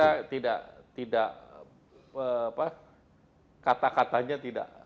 ya tentu kita tidak kata katanya tidak